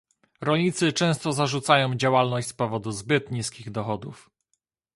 Rolnicy często zarzucają działalność z powodu zbyt niskich dochodów